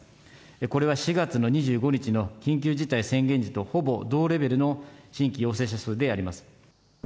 これは４月の２５日の緊急事態宣言時とほぼ同レベルの新規陽性者数であります。